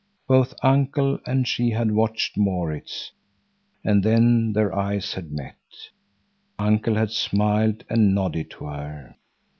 Both Uncle and she had watched Maurits, and then their eyes had met. Uncle had smiled and nodded to her.